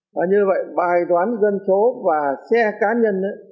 và như vậy bài đoán dân số và xe cá nhân